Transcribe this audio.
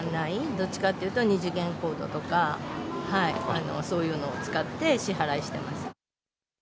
どっちかというと二次元コードとか、そういうのを使って支払いしてます。